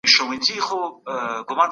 خپل وطن کشمير دی.